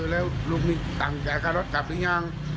แล้วลูกมีสตางค์แก้ค่ารถกับหรือยัง